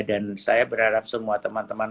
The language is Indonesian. dan saya berharap semua teman teman